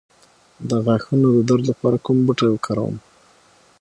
د غاښونو د درد لپاره کوم بوټی وکاروم؟